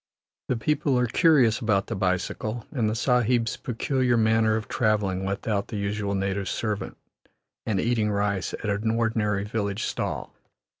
The people are curious about the bicycle, and the Sahib's peculiar manner of travelling without the usual native servant and eating rice at an ordinary village stall.